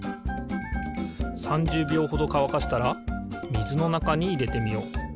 ３０びょうほどかわかしたらみずのなかにいれてみよう。